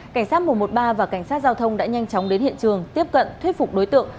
cảnh sát một trăm một mươi ba và cảnh sát giao thông đã nhanh chóng đến hiện trường tiếp cận thuyết phục đối tượng